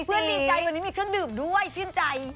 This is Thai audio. ดีใจวันนี้มีเครื่องดื่มด้วยชื่นใจ